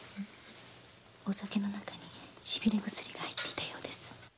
お酒に「シビレ薬」が入っていたようです。